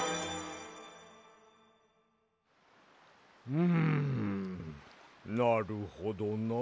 うんなるほどな。